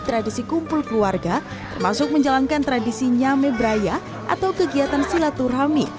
tradisi kumpul keluarga termasuk menjalankan tradisi nyameh beraya atau kegiatan silaturhami